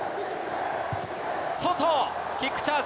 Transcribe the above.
外、キックチャージ。